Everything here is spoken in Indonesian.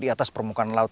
di atas permukaan laut